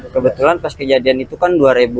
kebetulan pas kejadian itu kan dua ribu dua